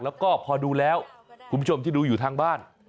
แล้วก็พอดูแล้วคุณผู้ชมที่ดูอยู่ทางบ้าน